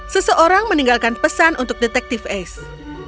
seseorang meninggalkan pesan untuk detective ace